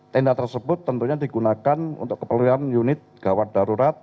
tenda tersebut tentunya digunakan untuk keperluan unit gawat darurat